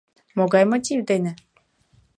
— Могай мотив дене?